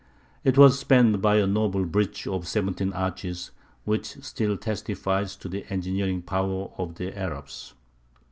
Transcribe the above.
It was spanned by a noble bridge of seventeen arches, which still testifies to the engineering powers of the Arabs.